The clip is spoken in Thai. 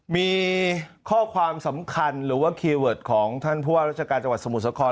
มีข้อความสำคัญหรือว่าคีย์เวิร์ดของท่านผู้ว่าราชการจังหวัดสมุทรสาคร